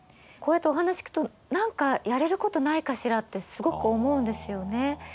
こうやってお話聞くと何かやれることないかしらってすごく思うんですよね。